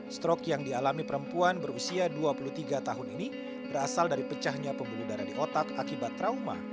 strok yang dialami perempuan berusia dua puluh tiga tahun ini berasal dari pecahnya pembuluh darah di otak akibat trauma